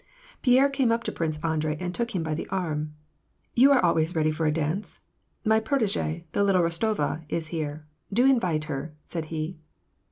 Pierre came up to Prince Andrei and took him by the arm. " You are always ready for a dance : my protegee^ the little Rostova, is here ; do invite her !" said he.